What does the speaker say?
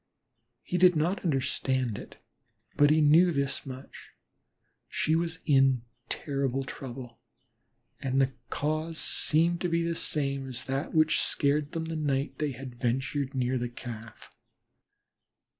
He did not understand it, but he knew this much, she was in terrible trouble, and the cause seemed to be the same as that which had scared them the night they had ventured near the Calf.